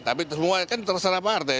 tapi semua kan terserah pak artai